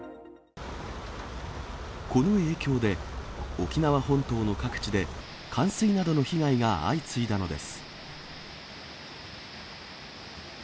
この影響で、沖縄本島の各地で冠水などの被害が相次いだのです。